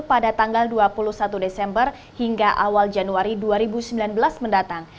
pada tanggal dua puluh satu desember hingga awal januari dua ribu sembilan belas mendatang